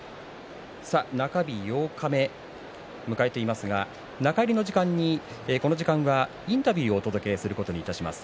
中日、八日目を迎えていますが中入りの時間、この時間インタビューをお届けします。